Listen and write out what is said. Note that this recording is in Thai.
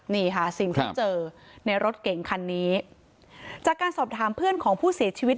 นี่ค่ะสิ่งที่เจอในรถเก่งคันนี้จากการสอบถามเพื่อนของผู้เสียชีวิต